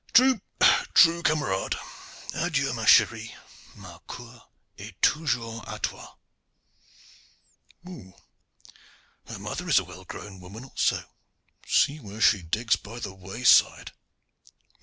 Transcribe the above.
"True, true, camarade! Adieu, ma cherie! mon coeur est toujours a toi. Her mother is a well grown woman also. See where she digs by the wayside.